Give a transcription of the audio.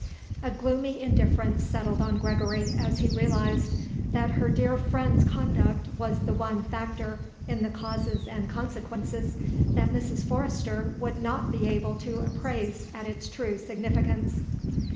A gloomy indifference settled on Gregory as he realized that her dear friend's conduct was the one factor in the causes and consequences that Mrs. Forrester would not be able to appraise at its true significance.